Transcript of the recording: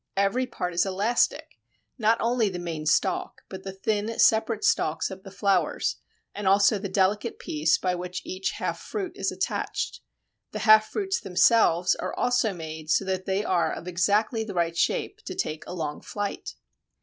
Every part is elastic not only the main stalk, but the thin separate stalks of the flowers and also the delicate piece by which each half fruit is attached. The half fruits themselves are also so made that they are of exactly the right shape to take a long flight.